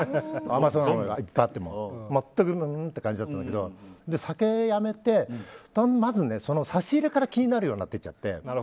甘そうなのが来ても全く、うーんって感じだったんだけど酒やめて、まず差し入れから気になるようになっちゃって。